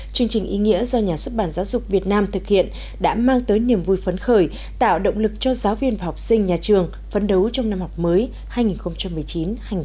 chương trình ý nghĩa do nhà xuất bản giáo dục việt nam thực hiện đã mang tới niềm vui phấn khởi tạo động lực cho giáo viên và học sinh nhà trường phấn đấu trong năm học mới hai nghìn một mươi chín hai nghìn hai mươi